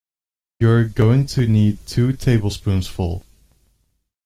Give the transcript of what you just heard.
You’re going to need two tablespoonsful.